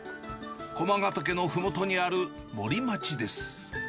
駒ヶ岳のふもとにある森町です。